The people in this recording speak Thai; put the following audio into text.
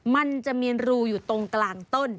มันจะมีรูอยู่ตรงกลางต้น